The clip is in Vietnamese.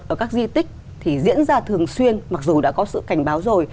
ở các di tích thì diễn ra thường xuyên mặc dù đã có sự cảnh báo rồi